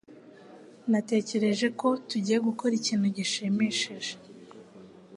Natekereje ko tugiye gukora ikintu gishimishije.